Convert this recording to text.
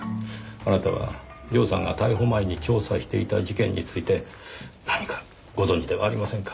あなたは涼さんが逮捕前に調査していた事件について何かご存じではありませんか？